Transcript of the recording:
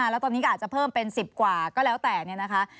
แล้วตอนนี้ก็อาจจะเพิ่มเป็น๑๐กว่าก็แล้วแต่เนี่ยนะคะ